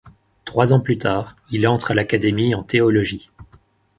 Trois ans plus tard, il entre à l'Académie, en théologie.